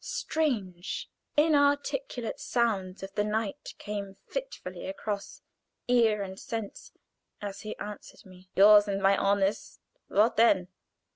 Strange, inarticulate sounds of the night came fitfully across ear and sense, as he answered me: "Yours and my honor's. What then?"